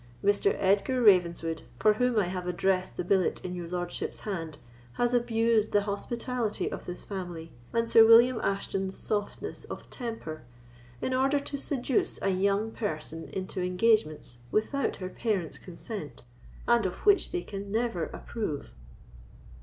Mr. Edgar Ravenswood, for whom I have addressed the billet in your lordship's hand, has abused the hospitality of this family, and Sir William Ashton's softness of temper, in order to seduce a young person into engagements without her parents' consent, and of which they never can approve."